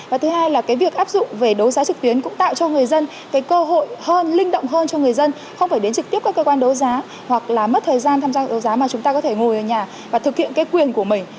và thứ hai là cái việc áp dụng về đấu giá trực tuyến cũng tạo cho người dân cái cơ hội hơn linh động hơn cho người dân không phải đến trực tiếp các cơ quan đấu giá hoặc là mất thời gian tham gia đấu giá mà chúng ta có thể ngồi ở nhà và thực hiện cái quyền của mình